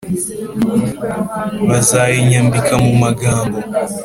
bazayinyambika mu magambo